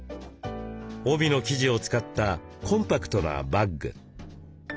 帯の生地を使ったコンパクトなバッグ。